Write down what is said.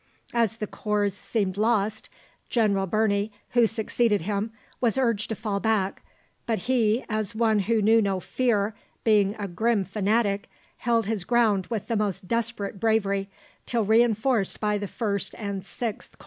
As the corps seemed lost, General Birney, who succeeded him, was urged to fall back, but he, as one who knew no fear being a grim fanatic held his ground with the most desperate bravery till reinforced by the 1st and 6th Corps.